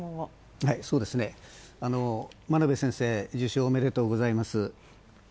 真鍋先生、受賞おめでとうございます。